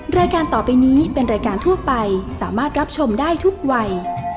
รายการต่อไปนี้เป็นรายการทั่วไปสามารถรับชมได้ทุกวัย